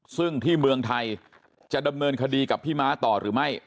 ซึ่งที่เมืองไทยจะดำเนินคดีกับพี่ม้าต่อหรือไม่